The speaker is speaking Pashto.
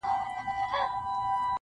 په لېمو دي پوهومه,